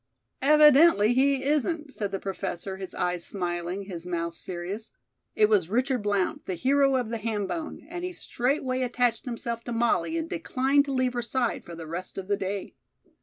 "Evidently he isn't," said the Professor, his eyes smiling, his mouth serious. It was Richard Blount, the hero of the ham bone, and he straightway attached himself to Molly and declined to leave her side for the rest of the day.